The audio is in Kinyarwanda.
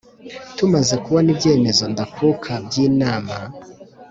Tumaze kubona ibyemezo ndakuka by’inama